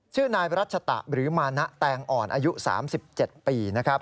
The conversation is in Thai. ชื่อนายรัชตะหรือมานะแตงอ่อนอายุ๓๗ปีนะครับ